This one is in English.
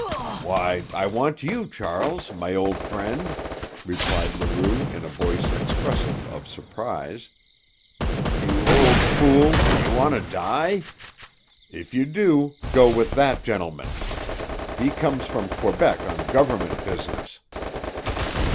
"Why, I want you, Charles, my old friend," replied Leroux in a voice expressive of surprize. "You old fool, do you want to die? If you do, go with that gentleman. He comes from Quebec on government business."